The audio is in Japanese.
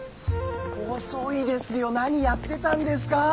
遅いですよ何やってたんですか。